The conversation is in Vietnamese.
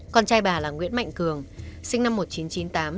con trai bà là nguyễn mạnh cường sinh năm một nghìn chín trăm chín mươi tám